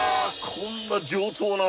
こんな上等な！